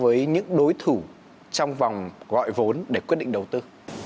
và đối với những đối thủ trong vòng gọi vốn để quyết định đầu tư